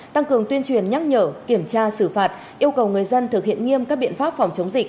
tăng cường tuyên truyền nhắc nhở kiểm tra xử phạt yêu cầu người dân thực hiện nghiêm các biện pháp phòng chống dịch